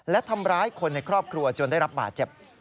และทำร้ายคนในครอบครัวจนได้รับบาดเจ็บ